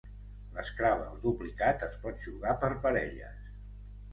L'Scrabble duplicat es pot jugar per parelles.